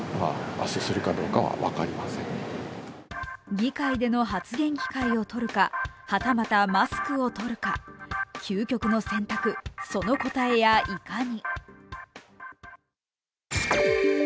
議会での発言機会をとるか、はたまたマスクをとるか究極の選択その答えやいかに。